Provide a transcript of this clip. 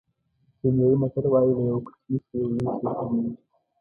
کینیايي متل وایي له یوه کوچني شي یو لوی شی معلومېږي.